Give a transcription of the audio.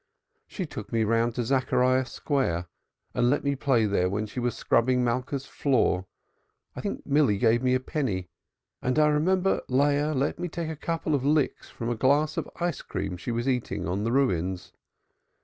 "She took me round to Zachariah Square and let me play there while she was scrubbing Malka's floor. I think Milly gave me a penny, and I remember Leah let me take a couple of licks from a glass of ice cream she was eating on the Ruins.